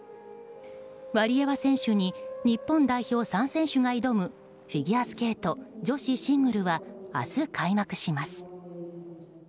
ワリエワ選手に日本代表３選手が挑むフィギュアスケート女子シングルは明日開幕します。